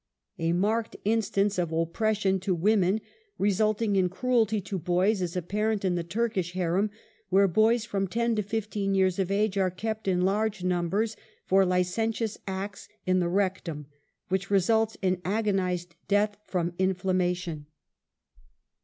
A marked instance of oppression to women, result in«: in cruelty to boys is apparent in the Turkish ; Harem, where boys from 10 to 15 years of age are kept in large numbers for licentious acts in the rec tum, which results in agonized death from inflamma tion.